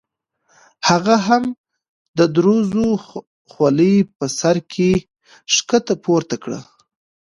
هغه هم د دروزو خولۍ په سر کې ښکته پورته کړه.